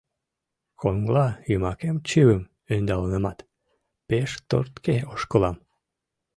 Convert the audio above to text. Коҥла йымакем чывым ӧндалынамат, пеш тортке ошкылам.